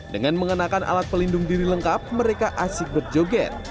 dengan mengenakan alat pelindung diri lengkap mereka asik berjoget